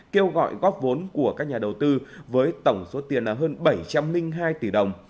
kêu gọi góp vốn của các nhà đầu tư với tổng số tiền hơn bảy trăm linh hai tỷ đồng